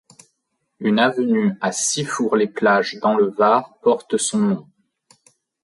Une Avenue à Six-fours les plages dans le Var porte son nom.